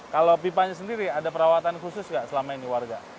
kalau pipanya sendiri ada perawatan khusus nggak selama ini warga